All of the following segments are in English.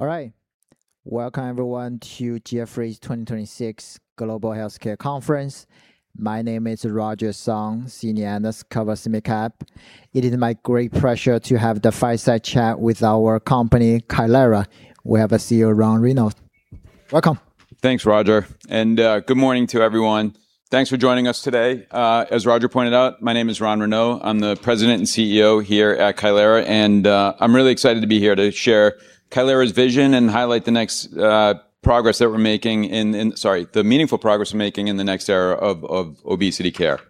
All right. Welcome, everyone, to Jefferies 2026 Global Healthcare Conference. My name is Roger Song, Senior Analyst covers mid-cap. It is my great pleasure to have the fireside chat with our company, Kailera. We have our CEO, Ron Renaud. Welcome. Thanks, Roger. Good morning to everyone. Thanks for joining us today. As Roger pointed out, my name is Ron Renaud. I'm the President and CEO here at Kailera, and I'm really excited to be here to share Kailera's vision and highlight the meaningful progress we're making in the next era of obesity care.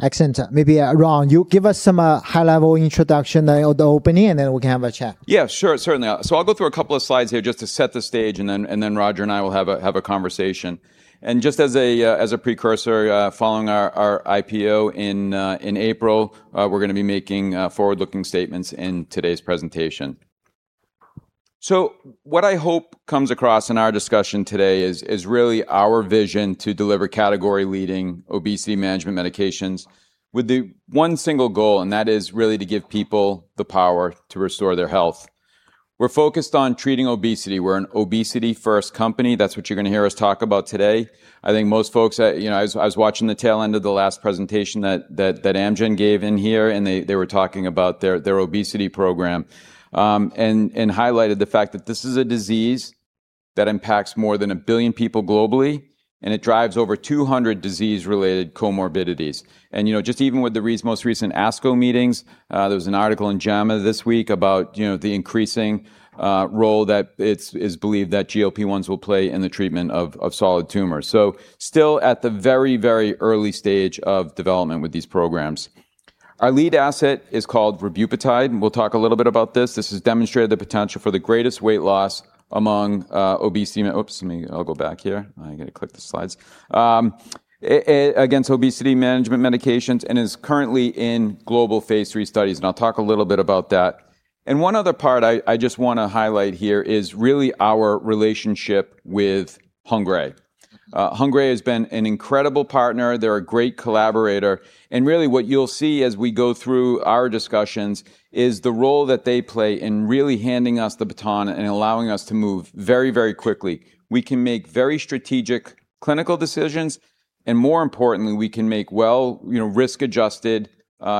Excellent. Maybe, Ron, you give us some high-level introduction of the opening, and then we can have a chat. Yeah. Sure, certainly. I'll go through a couple of slides here just to set the stage, and then Roger and I will have a conversation. Just as a precursor, following our IPO in April, we're going to be making forward-looking statements in today's presentation. What I hope comes across in our discussion today is really our vision to deliver category-leading obesity management medications with the one single goal, and that is really to give people the power to restore their health. We're focused on treating obesity. We're an obesity-first company. That's what you're going to hear us talk about today. I think most folks, as I was watching the tail end of the last presentation that Amgen gave in here. They were talking about their obesity program, highlighted the fact that this is a disease that impacts more than one billion people globally. It drives over 200 disease-related comorbidities. Just even with the most recent ASCO meetings, there was an article in JAMA this week about the increasing role that it's believed that GLP-1s will play in the treatment of solid tumors. Still at the very, very early stage of development with these programs. Our lead asset is called ribupatide, and we'll talk a little bit about this. This has demonstrated the potential for the greatest weight loss among obesity. Oops. Let me go back here. I've got to click the slides. Against obesity management medications and is currently in global phase III studies, I'll talk a little bit about that. One other part I just want to highlight here is really our relationship with Hengrui. Hengrui has been an incredible partner. They're a great collaborator. Really what you'll see as we go through our discussions is the role that they play in really handing us the baton and allowing us to move very, very quickly. We can make very strategic clinical decisions, and more importantly, we can make well risk-adjusted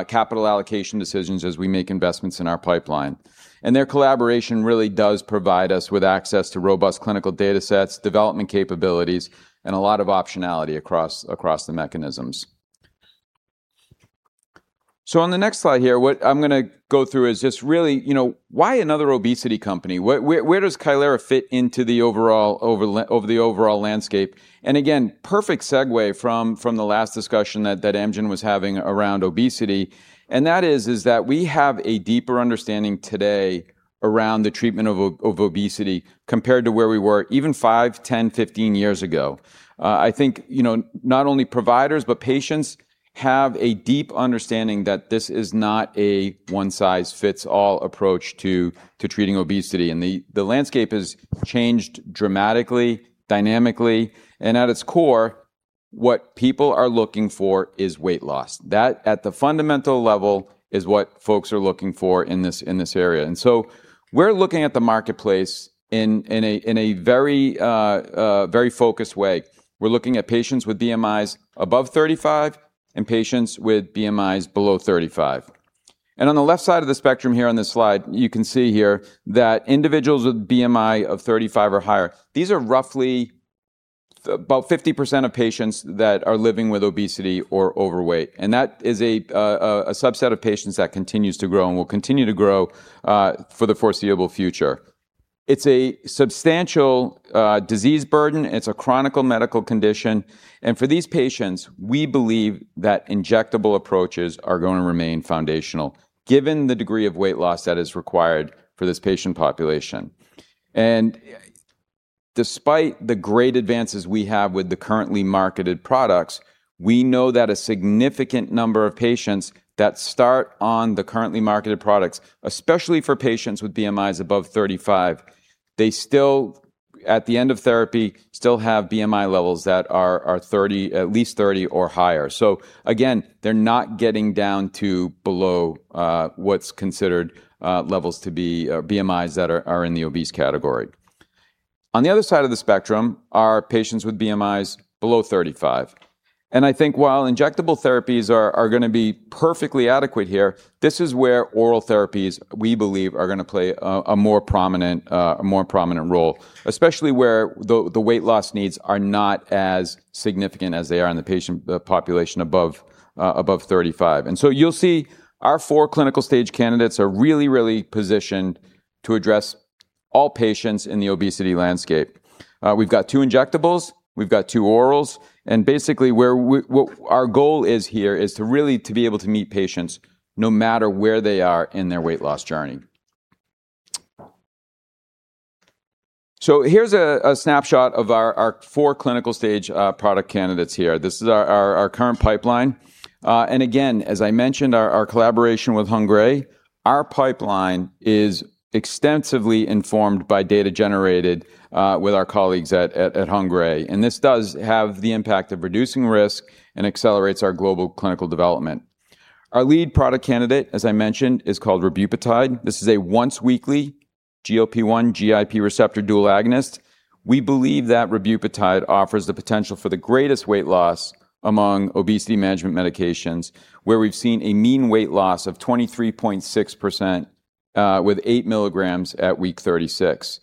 capital allocation decisions as we make investments in our pipeline. Their collaboration really does provide us with access to robust clinical datasets, development capabilities, and a lot of optionality across the mechanisms. On the next slide here, what I'm going to go through is just really why another obesity company? Where does Kailera fit into the overall landscape? Again, perfect segue from the last discussion that Amgen was having around obesity, and that is that we have a deeper understanding today around the treatment of obesity compared to where we were even five, 10, 15 years ago. I think not only providers, but patients have a deep understanding that this is not a one-size-fits-all approach to treating obesity. The landscape has changed dramatically, dynamically, and at its core, what people are looking for is weight loss. That, at the fundamental level, is what folks are looking for in this area. We're looking at the market place in a very focused way. We're looking at patients with BMIs above 35 and patients with BMIs below 35. On the left side of the spectrum here on this slide, you can see here that individuals with BMI of 35 or higher, these are roughly about 50% of patients that are living with obesity or overweight, and that is a subset of patients that continues to grow and will continue to grow for the foreseeable future. It's a substantial disease burden. It's a chronic medical condition. For these patients, we believe that injectable approaches are going to remain foundational given the degree of weight loss that is required for this patient population. Despite the great advances we have with the currently marketed products, we know that a significant number of patients that start on the currently marketed products, especially for patients with BMIs above 35, they still at the end of therapy, still have BMI levels that are at least 30 or higher. Again, they're not getting down to below what's considered levels to be BMIs that are in the obese category. On the other side of the spectrum are patients with BMIs below 35. I think while injectable therapies are going to be perfectly adequate here, this is where oral therapies, we believe, are going to play a more prominent role, especially where the weight loss needs are not as significant as they are in the patient population above 35. You'll see our four clinical stage candidates are really positioned to address all patients in the obesity landscape. We've got two injectables, we've got two orals, and basically, our goal here is really to be able to meet patients no matter where they are in their weight loss journey. Here's a snapshot of our four clinical stage product candidates here. This is our current pipeline. Again, as I mentioned, our collaboration with Hengrui. Our pipeline is extensively informed by data generated with our colleagues at Hengrui, this does have the impact of reducing risk and accelerates our global clinical development. Our lead product candidate, as I mentioned, is called ribupatide. This is a once-weekly GLP-1/GIP receptor dual agonist. We believe that ribupatide offers the potential for the greatest weight loss among obesity management medications, where we've seen a mean weight loss of 23.6% with 8 mg at week 36.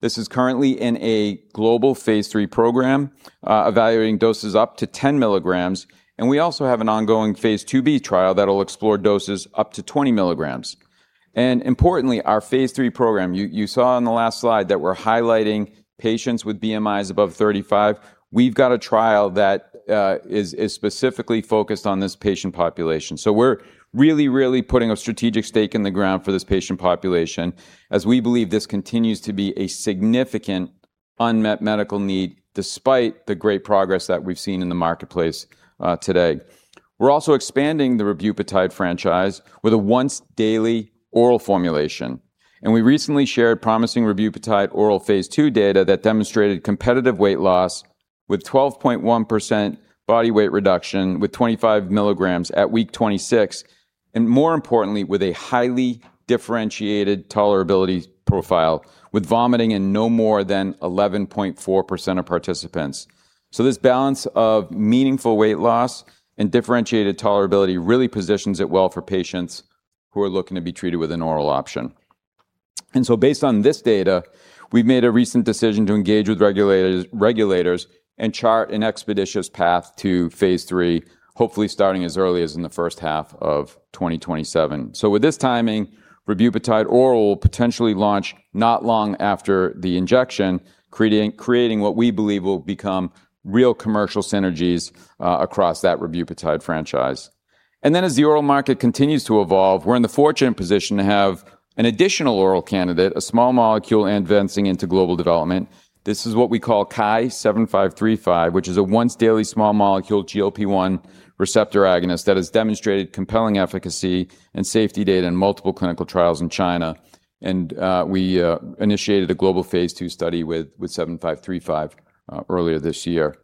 This is currently in a global phase III program, evaluating doses up to 10 mg, we also have an ongoing phase II-B trial that'll explore doses up to 20 mg. Importantly, our phase III program, you saw on the last slide that we're highlighting patients with BMIs above 35. We've got a trial that is specifically focused on this patient population. We're really putting a strategic stake in the ground for this patient population, as we believe this continues to be a significant unmet medical need, despite the great progress that we've seen in the marketplace today. We're also expanding the ribupatide franchise with a once-daily oral formulation, and we recently shared promising ribupatide oral phase II data that demonstrated competitive weight loss with 12.1% body weight reduction with 25 mg at week 26, and more importantly, with a highly differentiated tolerability profile, with vomiting in no more than 11.4% of participants. This balance of meaningful weight loss and differentiated tolerability really positions it well for patients who are looking to be treated with an oral option. Based on this data, we've made a recent decision to engage with regulators and chart an expeditious path to phase III, hopefully starting as early as in the first half of 2027. With this timing, ribupatide oral will potentially launch not long after the injection, creating what we believe will become real commercial synergies across that ribupatide franchise. As the oral market continues to evolve, we're in the fortunate position to have an additional oral candidate, a small molecule advancing into global development. This is what we call KAI-7535, which is a once-daily small molecule GLP-1 receptor agonist that has demonstrated compelling efficacy and safety data in multiple clinical trials in China. We initiated a global phase II study with 7535 earlier this year.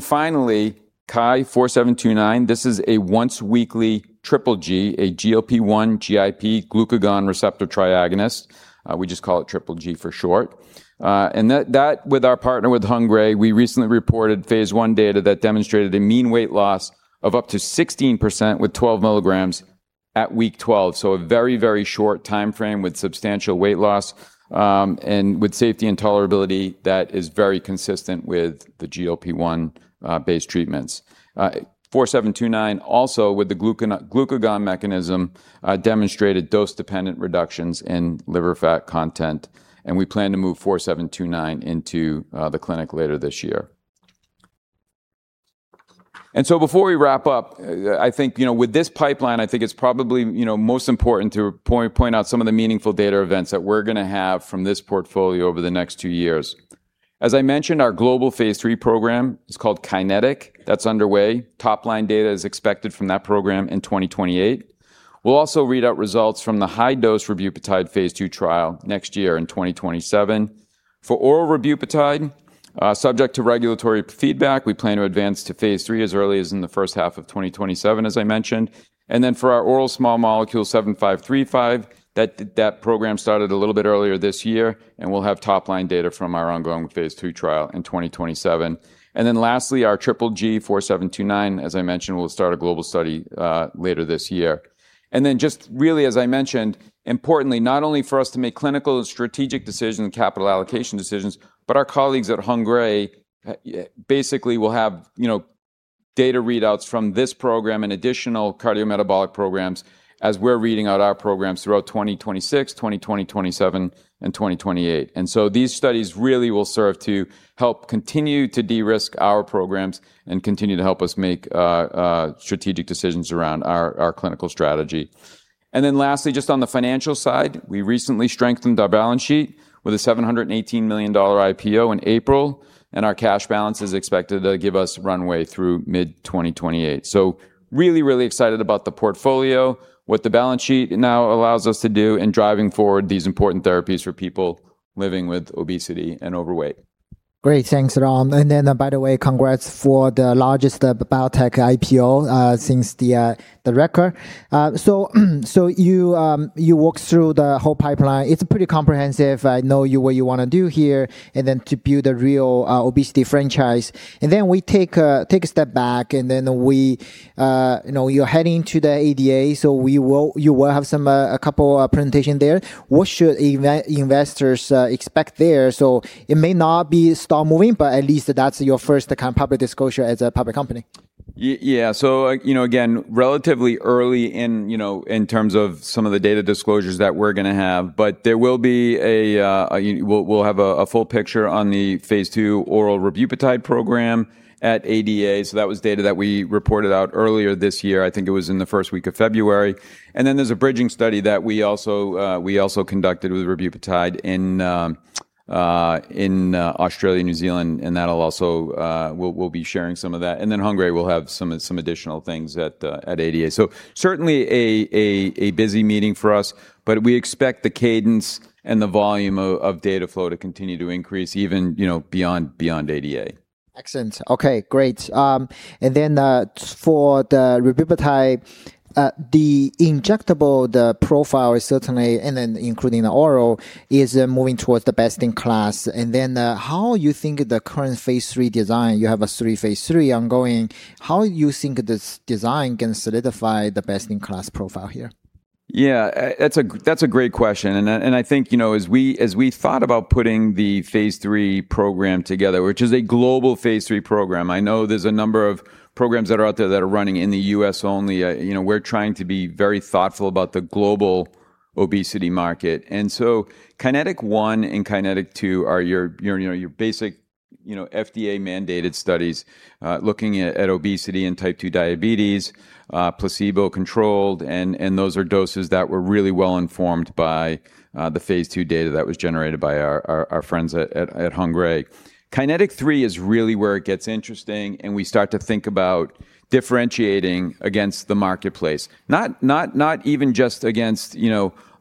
Finally, KAI-4729. This is a once-weekly triple G, a GLP-1/GIP/glucagon receptor triagonist. We just call it triple G for short. With our partner with Hengrui, we recently reported phase I data that demonstrated a mean weight loss of up to 16% with 12 mg at week 12. A very, very short timeframe with substantial weight loss, and with safety and tolerability that is very consistent with the GLP-1 based treatments. 4729, also with the glucagon mechanism, demonstrated dose-dependent reductions in liver fat content, and we plan to move 4729 into the clinic later this year. Before we wrap up, with this pipeline, I think it's probably most important to point out some of the meaningful data events that we're going to have from this portfolio over the next two years. As I mentioned, our global phase III program is called KaiNETIC. That's underway. Top-line data is expected from that program in 2028. We'll also read out results from the high-dose ribupatide phase II trial next year in 2027. Oral ribupatide, subject to regulatory feedback, we plan to advance to phase III as early as in the first half of 2027, as I mentioned. For our oral small molecule KAI-7535, that program started a little bit earlier this year, and we'll have top-line data from our ongoing phase II trial in 2027. Lastly, our triple G KAI-4729, as I mentioned, we'll start a global study later this year. Just really, as I mentioned, importantly, not only for us to make clinical and strategic decisions and capital allocation decisions, but our colleagues at Hengrui basically will have data readouts from this program and additional cardiometabolic programs as we're reading out our programs throughout 2026, 2027, and 2028. These studies really will serve to help continue to de-risk our programs and continue to help us make strategic decisions around our clinical strategy. Lastly, just on the financial side, we recently strengthened our balance sheet with a $718 million IPO in April, and our cash balance is expected to give us runway through mid-2028. Really, really excited about the portfolio, what the balance sheet now allows us to do in driving forward these important therapies for people living with obesity and overweight. Great. Thanks, Ron. By the way, congrats for the largest biotech IPO since the record. You walked through the whole pipeline. It's pretty comprehensive. I know what you want to do here, and then to build a real obesity franchise. We take a step back, and then you're heading to the ADA, so you will have a couple of presentations there. What should investors expect there? It may not be stock moving, but at least that's your first kind of public disclosure as a public company. Yeah. Again, relatively early in terms of some of the data disclosures that we're going to have. We'll have a full picture on the phase II oral ribupatide program at ADA. That was data that we reported out earlier this year. I think it was in the first week of February. There's a bridging study that we also conducted with ribupatide in Australia and New Zealand, and we'll be sharing some of that. Hengrui will have some additional things at ADA. Certainly a busy meeting for us, but we expect the cadence and the volume of data flow to continue to increase even beyond ADA. Excellent. Okay, great. For the ribupatide, the injectable, the profile is certainly, including the oral, is moving towards the best-in-class. How you think the current phase III design, you have a three phase III ongoing, how you think this design can solidify the best-in-class profile here? Yeah. That's a great question, and I think, as we thought about putting the phase III program together, which is a global phase III program. I know there's a number of programs that are out there that are running in the U.S. only. We're trying to be very thoughtful about the global obesity market. KaiNETIC 1 and KaiNETIC 2 are your basic FDA mandated studies looking at obesity and type two diabetes, placebo controlled, and those are doses that were really well informed by the phase II data that was generated by our friends at Hengrui. KaiNETIC 3 is really where it gets interesting, and we start to think about differentiating against the marketplace. Not even just against some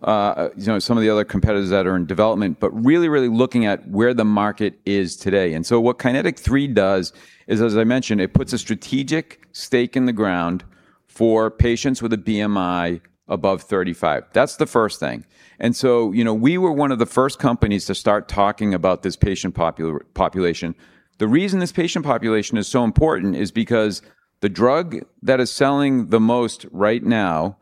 of the other competitors that are in development, but really looking at where the market is today. What KaiNETIC 3 does is, as I mentioned, it puts a strategic stake in the ground for patients with a BMI above 35. That's the first thing. We were one of the first companies to start talking about this patient population. The reason this patient population is so important is because the drug that is selling the most right now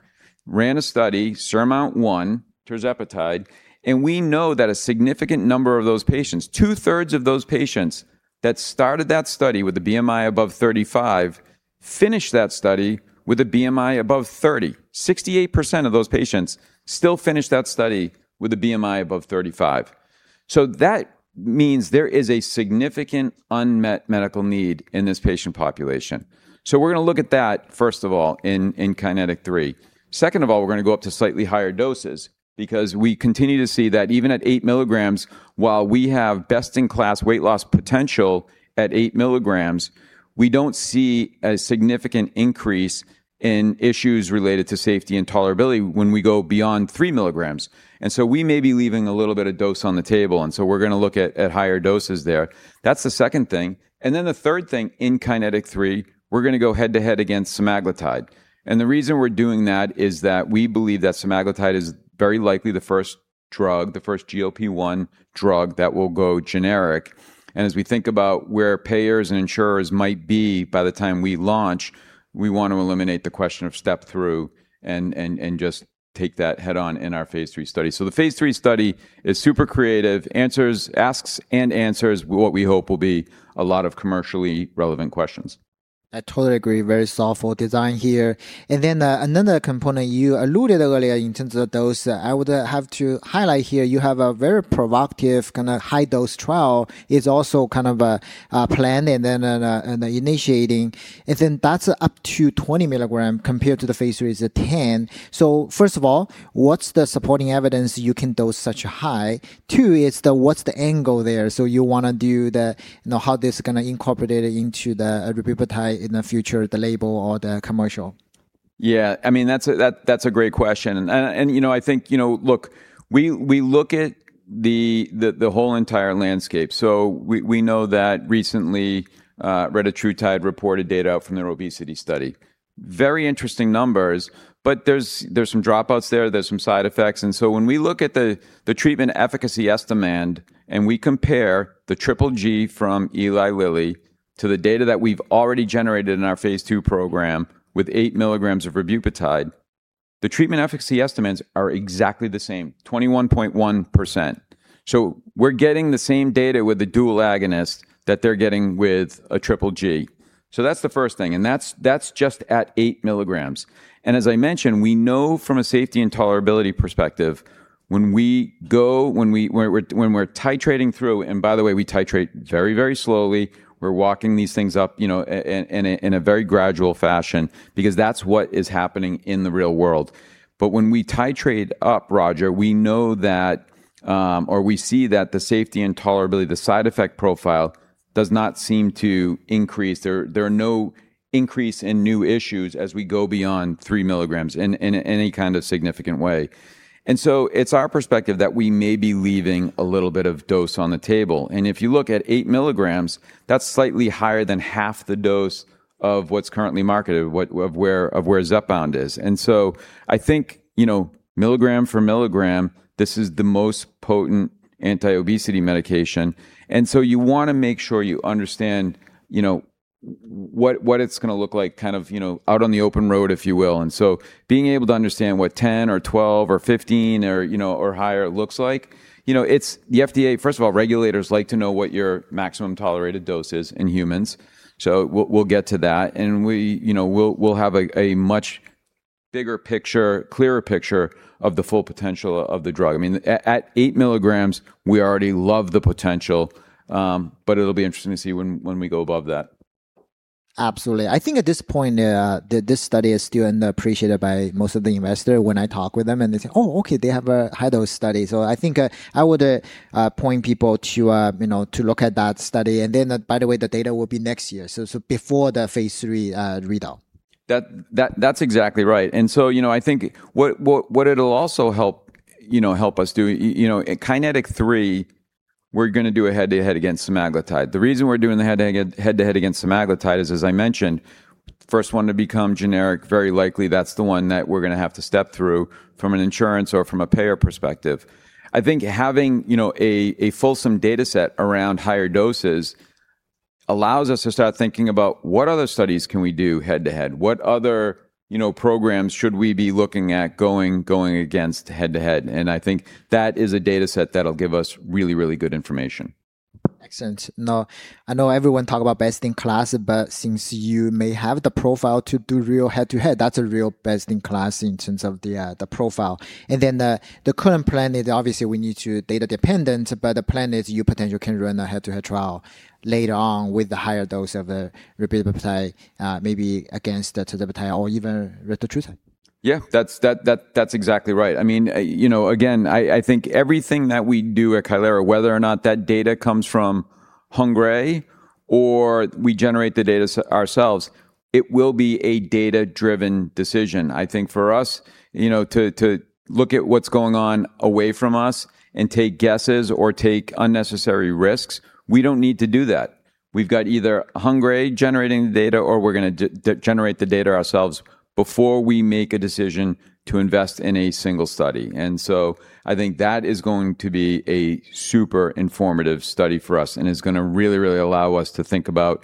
ran a study, SURMOUNT-1, ribupatide, and we know that a significant number of those patients, two-thirds of those patients that started that study with a BMI above 35, finished that study with a BMI above 30. 68% of those patients still finished that study with a BMI above 35. That means there is a significant unmet medical need in this patient population. We're going to look at that, first of all, in KaiNETIC 3. Second of all, we're going to go up to slightly higher doses because we continue to see that even at 8 mg, while we have best-in-class weight loss potential at 8 mg, we don't see a significant increase in issues related to safety and tolerability when we go beyond 3 mg. We may be leaving a little bit of dose on the table, and so we're going to look at higher doses there. That's the second thing. The third thing in KaiNETIC 3, we're going to go head-to-head against semaglutide. The reason we're doing that is that we believe that semaglutide is very likely the first drug, the first GLP-1 drug that will go generic. As we think about where payers and insurers might be by the time we launch, we want to eliminate the question of step through and just take that head-on in our phase III study. The phase III study is super creative. Answers, asks, and answers what we hope will be a lot of commercially relevant questions. I totally agree. Very thoughtful design here. Another component you alluded earlier in terms of dose, I would have to highlight here, you have a very provocative kind of high dose trial is also kind of planned and then initiating. That's up to 20 mg compared to the phase III's 10. First of all, what's the supporting evidence you can dose such high? Two is the, what's the angle there? You want to do the how this is going to incorporate into the ribupatide in the future, the label or the commercial. That's a great question. I think, look, we look at the whole entire landscape. We know that recently, retatrutide reported data out from their obesity study. Very interesting numbers, there's some dropouts there's some side effects. When we look at the treatment efficacy estimate, and we compare the triple G from Eli Lilly to the data that we've already generated in our phase II program with 8 mg of ribupatide, the treatment efficacy estimates are exactly the same, 21.1%. We're getting the same data with the dual agonist that they're getting with a triple G. That's the first thing, and that's just at 8 mg. As I mentioned, we know from a safety and tolerability perspective, when we're titrating through, and by the way, we titrate very, very slowly. We're walking these things up in a very gradual fashion because that's what is happening in the real world. When we titrate up, Roger, we know that, or we see that the safety and tolerability, the side effect profile does not seem to increase. There are no increase in new issues as we go beyond 3 mg in any kind of significant way. It's our perspective that we may be leaving a little bit of dose on the table. If you look at 8 mg, that's slightly higher than half the dose of what's currently marketed, of where Zepbound is. I think, milligram for milligram, this is the most potent anti-obesity medication, and so you want to make sure you understand what it's going to look like kind of out on the open road, if you will. Being able to understand what 10 or 12 or 15 or higher looks like. First of all, regulators like to know what your maximum tolerated dose is in humans. We'll get to that, and we'll have a much bigger picture, clearer picture of the full potential of the drug. At 8 mg, we already love the potential, but it'll be interesting to see when we go above that. Absolutely. I think at this point, this study is still unappreciated by most of the investors when I talk with them, and they say, "Oh, okay, they have a high dose study." I think I would point people to look at that study. By the way, the data will be next year, so before the phase III readout. That's exactly right. I think what it'll also help us do. In KaiNETIC 3, we're going to do a head-to-head against semaglutide. The reason we're doing the head-to-head against semaglutide is, as I mentioned, first one to become generic, very likely that's the one that we're going to have to step through from an insurance or from a payer perspective. I think having a fulsome data set around higher doses allows us to start thinking about what other studies can we do head-to-head, what other programs should we be looking at going against head-to-head. I think that is a data set that'll give us really, really good information. Excellent. I know everyone talk about best in class, but since you may have the profile to do real head-to-head, that's a real best in class in terms of the profile. The current plan is, obviously, we need to data dependent, but the plan is you potentially can run a head-to-head trial later on with the higher dose of the tirzepatide, maybe against the tirzepatide or even retatrutide. Yeah. That's exactly right. Again, I think everything that we do at Kailera, whether or not that data comes from Hengrui or we generate the data ourselves, it will be a data-driven decision. I think for us to look at what's going on away from us and take guesses or take unnecessary risks, we don't need to do that. We've got either Hengrui generating the data or we're going to generate the data ourselves before we make a decision to invest in a single study. I think that is going to be a super informative study for us, and is going to really, really allow us to think about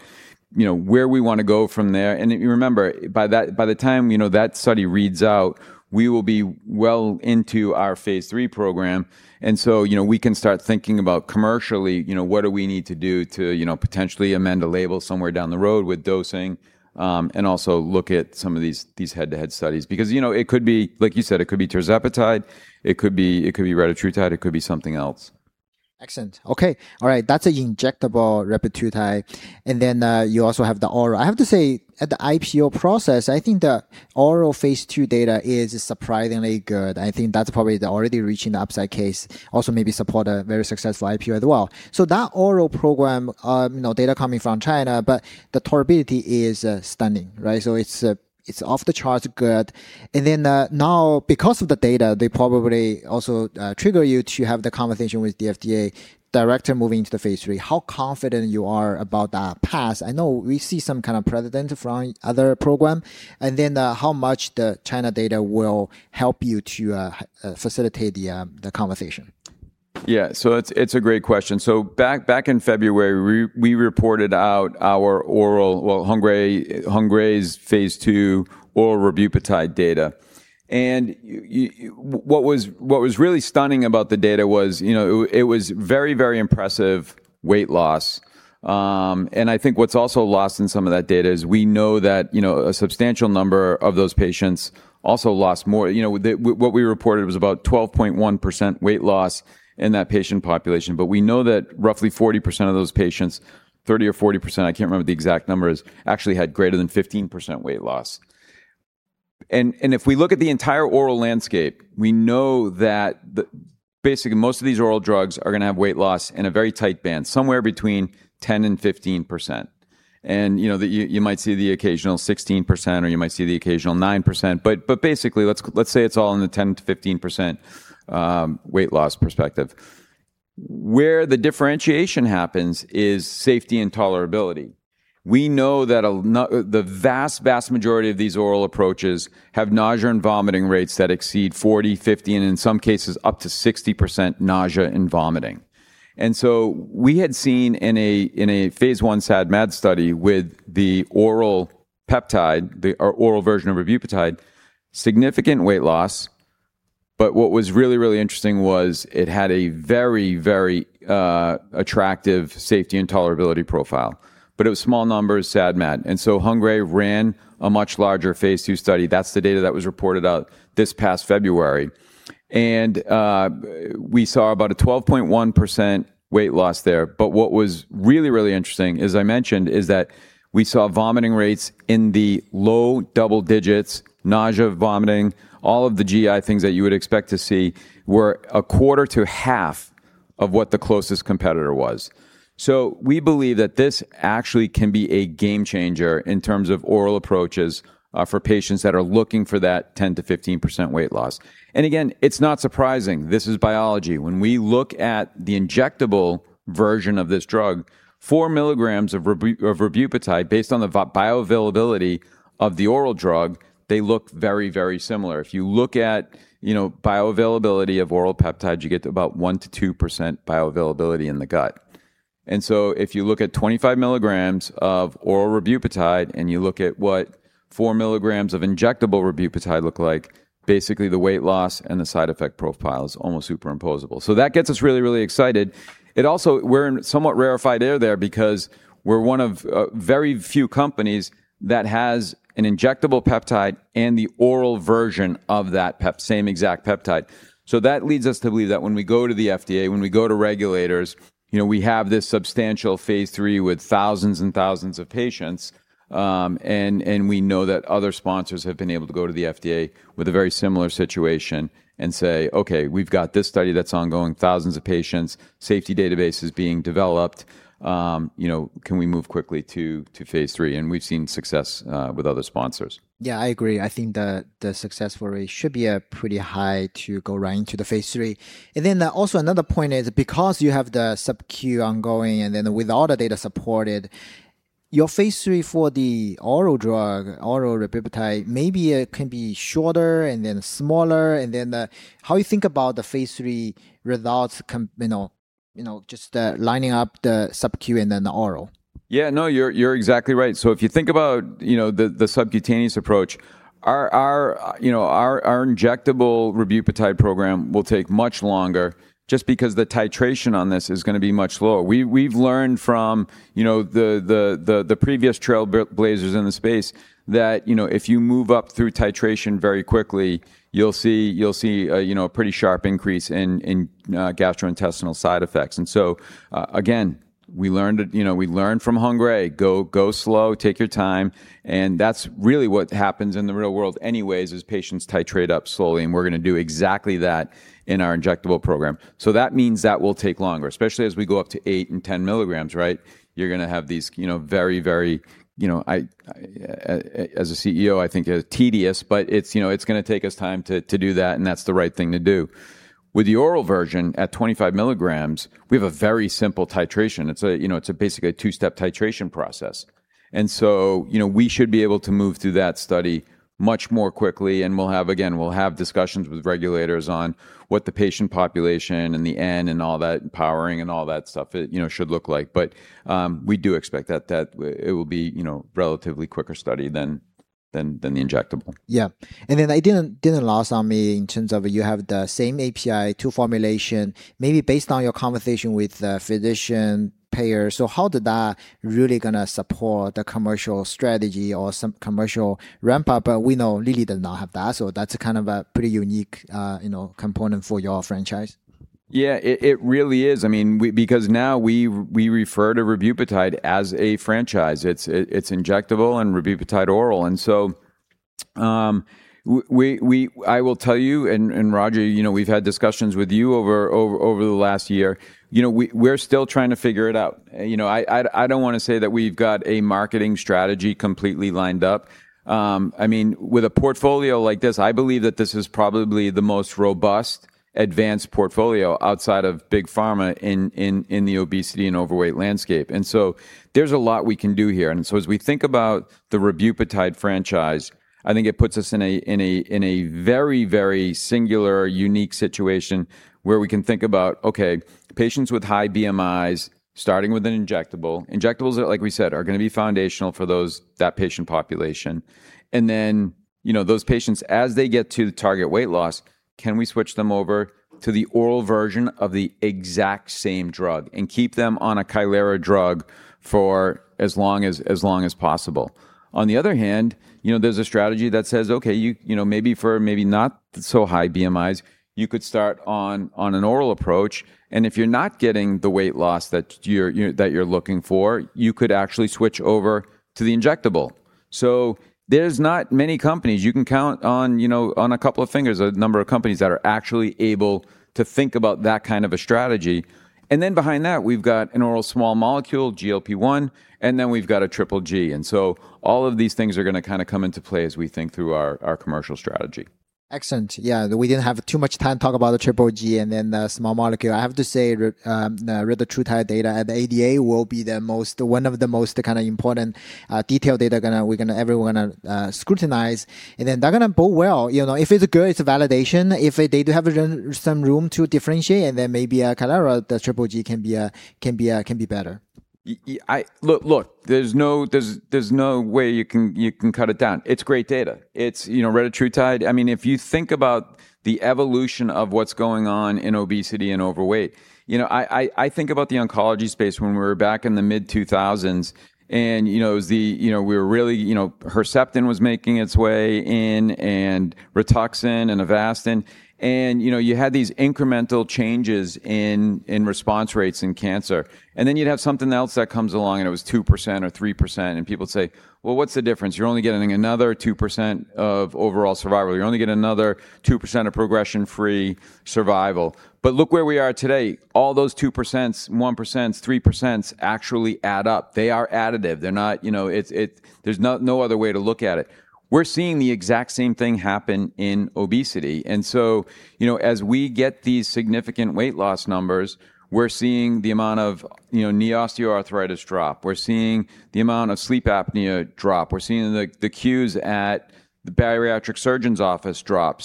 where we want to go from there. Remember, by the time that study reads out, we will be well into our phase III program. We can start thinking about commercially, what do we need to do to potentially amend a label somewhere down the road with dosing, and also look at some of these head-to-head studies. It could be, like you said, it could be tirzepatide, it could be retatrutide, it could be something else. Excellent. Okay. All right. That's an injectable retatrutide. You also have the oral. I have to say, at the IPO process, I think the oral phase II data is surprisingly good. I think that's probably the already reaching the upside case. Maybe support a very successful IPO as well. That oral program, data coming from China, but the tolerability is stunning, right? It's off the charts good. Now because of the data, they probably also trigger you to have the conversation with the FDA director moving to the phase III. How confident you are about that pass? I know we see some kind of precedent from other program. How much the China data will help you to facilitate the conversation? Yeah. It's a great question. Back in February, we reported out our oral, well, Hengrui's phase II oral ribupatide data. What was really stunning about the data was it was very impressive weight loss. I think what's also lost in some of that data is we know that a substantial number of those patients also lost more. What we reported was about 12.1% weight loss in that patient population. We know that roughly 40% of those patients, 30% or 40%, I can't remember the exact numbers, actually had greater than 15% weight loss. If we look at the entire oral landscape, we know that basically most of these oral drugs are going to have weight loss in a very tight band, somewhere between 10% and 15%. You might see the occasional 16%, or you might see the occasional 9%, but basically, let's say it's all in the 10%-15% weight loss perspective. Where the differentiation happens is safety and tolerability. We know that the vast majority of these oral approaches have nausea and vomiting rates that exceed 40%, 50%, and in some cases, up to 60% nausea and vomiting. We had seen in a phase I SAD/MAD study with the oral peptide, the oral version of ribupatide, significant weight loss. What was really, really interesting was it had a very, very attractive safety and tolerability profile. It was small numbers, SAD/MAD. Hengrui ran a much larger phase II study. That's the data that was reported out this past February. We saw about a 12.1% weight loss there. What was really, really interesting, as I mentioned, is that we saw vomiting rates in the low double digits, nausea, vomiting, all of the GI things that you would expect to see were a quarter to half of what the closest competitor was. We believe that this actually can be a game changer in terms of oral approaches for patients that are looking for that 10%-15% weight loss. Again, it's not surprising. This is biology. When we look at the injectable version of this drug, 4 mg of ribupatide based on the bioavailability of the oral drug, they look very, very similar. If you look at bioavailability of oral peptides, you get about 1%-2% bioavailability in the gut. If you look at 25 mg of oral ribupatide, and you look at what 4 mg of injectable ribupatide look like, basically the weight loss and the side effect profile is almost superimposable. That gets us really excited. We're in somewhat rarefied air there because we're one of very few companies that has an injectable peptide and the oral version of that same exact peptide. That leads us to believe that when we go to the FDA, when we go to regulators, we have this substantial phase III with thousands of patients. We know that other sponsors have been able to go to the FDA with a very similar situation and say, "Okay, we've got this study that's ongoing, thousands of patients, safety database is being developed. Can we move quickly to phase III?" We've seen success with other sponsors. Yeah, I agree. I think the success rate should be pretty high to go right into the phase III. Also another point is because you have the sub-Q ongoing, and then with all the data supported, your phase III for the oral drug, oral ribupatide, maybe it can be shorter and then smaller. How you think about the phase III results just lining up the sub-Q and then the oral? Yeah, no, you're exactly right. If you think about the subcutaneous approach, our injectable ribupatide program will take much longer just because the titration on this is going to be much slower. We've learned from the previous trailblazers in the space that if you move up through titration very quickly, you'll see a pretty sharp increase in gastrointestinal side effects. Again, we learned from Hengrui, go slow, take your time, and that's really what happens in the real world anyways, is patients titrate up slowly, and we're going to do exactly that in our injectable program. That means that will take longer, especially as we go up to eight and 10 milligrams, right? You're going to have these very, as a CEO, I think tedious, but it's going to take us time to do that, and that's the right thing to do. With the oral version at 25 mg, we have a very simple titration. It's a basically a two-step titration process. We should be able to move through that study much more quickly, and we'll have, again, we'll have discussions with regulators on what the patient population and the N and all that powering and all that stuff should look like. We do expect that it will be relatively quicker study than the injectable. Yeah. I didn't lose on me in terms of you have the same API, two formulation, maybe based on your conversation with physician payer. How did that really going to support the commercial strategy or some commercial ramp up? We know Lilly does not have that, so that's kind of a pretty unique component for your franchise. Yeah, it really is. Now we refer to ribupatide as a franchise. It's injectable and ribupatide oral. I will tell you, and Roger we've had discussions with you over the last year. We're still trying to figure it out. I don't want to say that we've got a marketing strategy completely lined up. With a portfolio like this, I believe that this is probably the most robust advanced portfolio outside of big pharma in the obesity and overweight landscape. There's a lot we can do here. As we think about the ribupatide franchise, I think it puts us in a very, very singular, unique situation where we can think about, okay, patients with high BMIs starting with an injectable. Injectables, like we said, are going to be foundational for that patient population. Those patients, as they get to the target weight loss, can we switch them over to the oral version of the exact same drug and keep them on a Kailera drug for as long as possible. On the other hand, there's a strategy that says, okay, maybe for maybe not so high BMIs, you could start on an oral approach, and if you're not getting the weight loss that you're looking for, you could actually switch over to the injectable. There's not many companies you can count on a couple of fingers, a number of companies that are actually able to think about that kind of a strategy. Behind that, we've got an oral small molecule, GLP-1, and then we've got a triple G. All of these things are going to kind of come into play as we think through our commercial strategy. Excellent. Yeah. We didn't have too much time to talk about the triple G and then the small molecule. I have to say, retatrutide data at ADA will be one of the most kind of important detail data everyone scrutinize. They're going to bode well. If it's good, it's a validation. If they do have some room to differentiate and then maybe Kailera, the triple G can be better. Look, there's no way you can cut it down. It's great data. retatrutide, if you think about the evolution of what's going on in obesity and overweight. I think about the oncology space when we were back in the mid-2000s, Herceptin was making its way in and Rituxan and Avastin, you had these incremental changes in response rates in cancer. Then you'd have something else that comes along, and it was 2% or 3%, and people would say, "Well, what's the difference? You're only getting another 2% of overall survival. You're only getting another 2% of progression-free survival." Look where we are today. All those 2%, 1%, 3% actually add up. They are additive. There's no other way to look at it. We're seeing the exact same thing happen in obesity. As we get these significant weight loss numbers, we're seeing the amount of knee osteoarthritis drop. We're seeing the amount of sleep apnea drop. We're seeing the queues at the bariatric surgeon's office drop.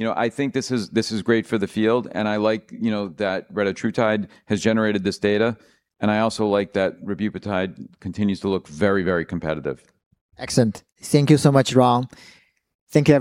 I think this is great for the field, and I like that retatrutide has generated this data, and I also like that ribupatide continues to look very, very competitive. Excellent. Thank you so much, Ron. Thank you.